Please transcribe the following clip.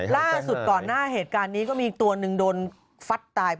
ล่าสุดก่อนหน้าเมื่อเศรษฐการณ์นี้ก็มีตัวหนึ่งโดนฟัดตาย